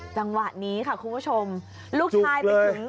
จังหวะนี้ค่ะคุณผู้ชมลูกชายไปถึง